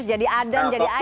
jadi adem jadi ayem gitu